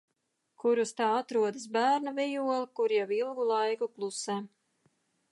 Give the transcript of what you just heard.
Kur uz tā atrodas bērna vijole, kura jau ilgu laiku klusē.